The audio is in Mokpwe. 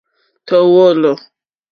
Tɔ̀ wɔ̌lɔ̀.